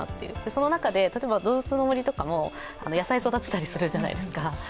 その中で例えば「どうぶつの森」とかも野菜育てたりするじゃないですか